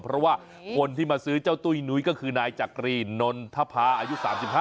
เพราะว่าคนที่มาซื้อเจ้าตุ้ยนุ้ยก็คือนายจักรีนนทภาอายุ๓๕